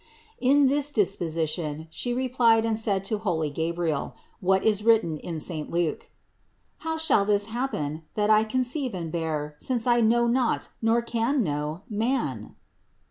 In this disposition She replied and said to holy Gabriel, what is written in saint Luke: "How shall this happen, that I conceive and bear; since I know not, nor can know, man